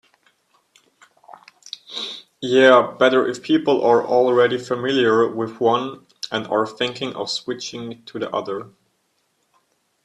Yeah, better if people are already familiar with one and are thinking of switching to the other.